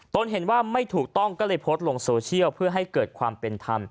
ตนเห็นว่าไม่ถูกต้องก็เลยโพสต์ลงโซเชียลเพื่อให้เกิดความเป็นธรรม